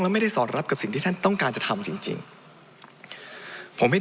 ไม่ได้สอดรับกับสิ่งที่ท่านต้องการจะทำจริงผมให้